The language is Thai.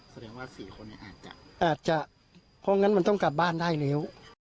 แสดงว่า๔คนอาจจะเพราะงั้นมันต้องกลับบ้านได้แล้ว